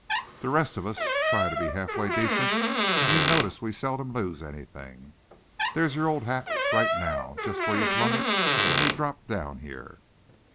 The rest of us try to be half way decent; and you notice we seldom lose anything. There's your old hat right now, just where you flung it when we dropped down here."